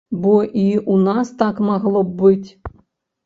Бо і ў нас так магло б быць.